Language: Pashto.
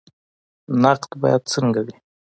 نقد باید څنګه وي؟